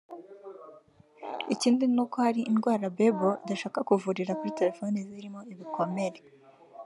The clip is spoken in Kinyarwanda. Ikindi ni uko hari indwara “Babyl” idashobora kuvurira kuri terefone zirimo ibikomere